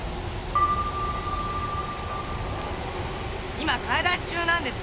今買い出し中なんです。